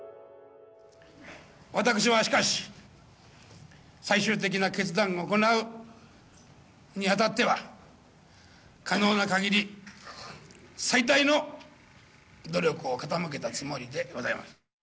私はしかし、最終的な決断を行うに当たっては可能なかぎり最大の努力を傾けたつもりでございます。